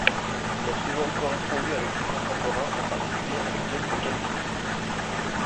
Il a souvent correspondu avec ses contemporains, en particulier avec d'autres calvinistes.